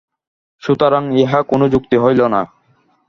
সুতরাং ইহা কোন যুক্তি হইল না।